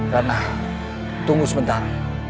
rana tunggu sebentar